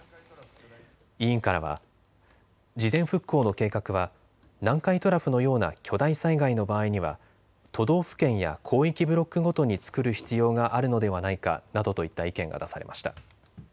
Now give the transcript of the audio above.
委員からは事前復興の計画は南海トラフのような巨大災害の場合には都道府県や広域ブロックごとに作る必要があるのではないかなどといった意見が出されました。